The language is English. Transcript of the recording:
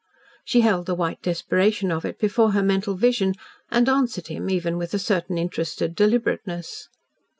She held the white desperation of it before her mental vision and answered him even with a certain interested deliberateness.